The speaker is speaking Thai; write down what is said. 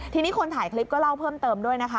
ทีนี้คนถ่ายคลิปก็เล่าเพิ่มเติมด้วยนะคะ